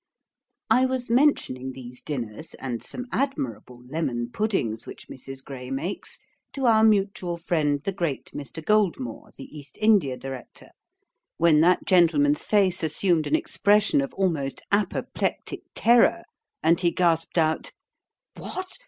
I was mentioning these dinners, and some admirable lemon puddings which Mrs. Gray makes, to our mutual friend the great Mr. Goldmore, the East India Director, when that gentleman's face assumed an expression of almost apoplectic terror, and he gasped out, 'What!